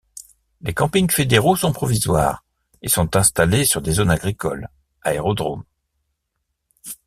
Les campings fédéraux sont provisoires et sont installés sur des zones agricoles, aérodromes...